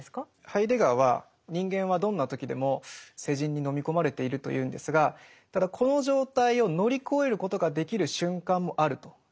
ハイデガーは人間はどんな時でも世人に飲み込まれているというんですがただこの状態を乗り越えることができる瞬間もあるというふうに言うんですね。